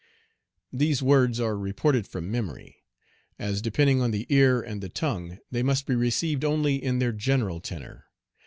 These words are reported from memory. As depending on the ear and the tongue, they must be received only in their general tenor.